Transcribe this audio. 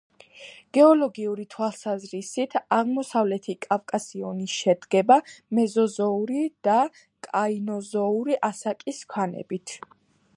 გეოლოგიური თვალსაზრისით, აღმოსავლეთი კავკასიონი შედგება მეზოზოური და კაინოზოური ასაკის ქანებით.